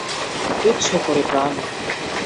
তুচ্ছ করে প্রান!